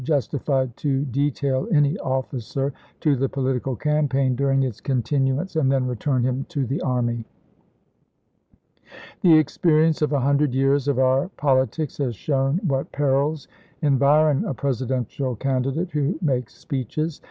° tified to detail any officer to the political campaign feel. ' during its continuance and then return him to the Autograph ms. army." The experience of a hundred years of our poli tics has shown what perils environ a Presidential candidate who makes speeches.